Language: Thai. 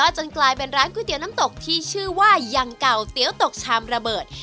จนกลายเป็นร้านก๋วยเตี๋ยวน้ำตกที่ชื่อว่ายังเก่าเตี๋ยวตกชามระเบิด